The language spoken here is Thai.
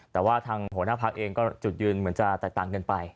แต่ว่าทางหัวหน้าพักเองก็จุดยืนเหมือนจะแตกต่างกันไป